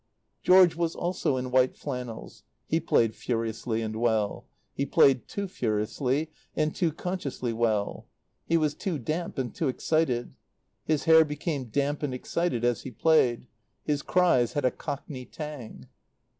George was also in white flannels; he played furiously and well; he played too furiously and too consciously well; he was too damp and too excited; his hair became damp and excited as he played; his cries had a Cockney tang.